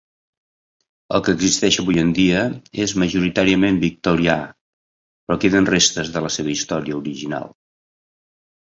El que existeix avui en dia és majoritàriament victorià, però queden restes de la seva història original.